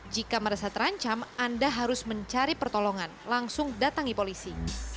jika merasa terancam anda harus mencari pertolongan langsung datangi polisi